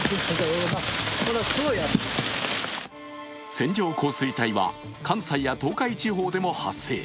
線状降水帯は関西や東海地方でも発生。